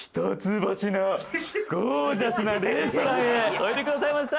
おいでくださいました。